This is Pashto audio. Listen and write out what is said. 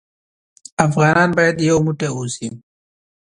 افغانان بايد يو موټى اوسې.